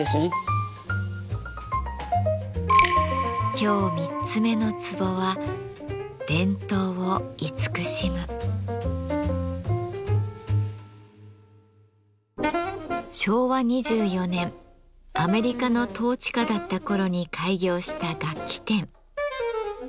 今日三つ目のツボは昭和２４年アメリカの統治下だった頃に開業した楽器店。